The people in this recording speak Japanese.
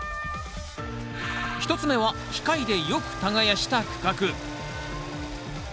１つ目は機械でよく耕した区画。